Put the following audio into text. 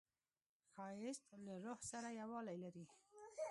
ښایست له روح سره یووالی لري